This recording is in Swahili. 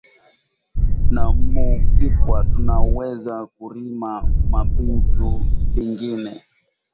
Na mu kipwa tuna weza kurima ma bintu bingine